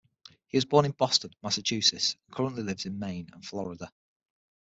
He was born in Boston, Massachusetts, and currently lives in Maine and Florida.